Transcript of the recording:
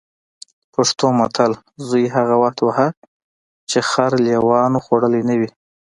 پښتو متل: زوی هغه وخت وهه چې خر لېوانو خوړلی نه وي.